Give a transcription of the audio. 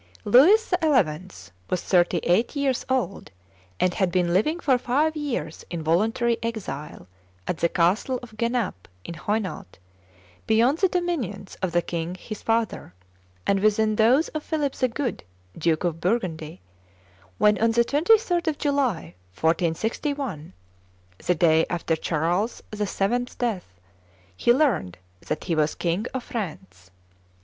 Louis XI. was thirty eight years old, and had been living for five years in voluntary exile at the castle of Genappe, in Hainault, beyond the dominions of the king his father, and within those of Philip the Good, Duke of Burgundy, when, on the 23d of July, 1461, the day after Charles VII.'s death, he learned that he was King of France.